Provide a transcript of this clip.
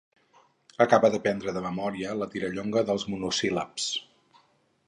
Acabe d'aprendre de memòria la Tirallonga dels monosíl·labs.